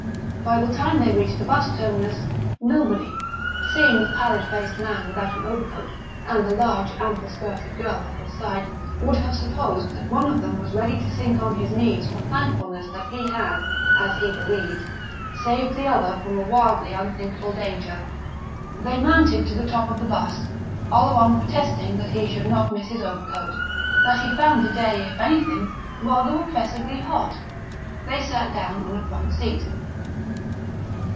By the time they reached the bus terminus, nobody, seeing the pallid faced man without an overcoat and the large ample skirted girl at his side, would have supposed that one of them was ready to sink on his knees for thankfulness that he had, as he believed, saved the other from a wildly unthinkable danger. They mounted to the top of the bus, Oleron protesting that he should not miss his overcoat, and that he found the day, if anything, rather oppressively hot. They sat down on a front seat.